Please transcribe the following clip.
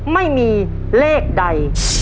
ไม่มีเลขใด